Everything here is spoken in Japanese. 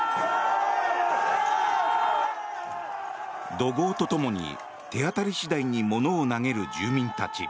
怒号とともに手当たり次第に物を投げる住民たち。